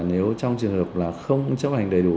nếu trong trường hợp không chấp hành đầy đủ